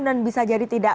dan bisa jadi tidak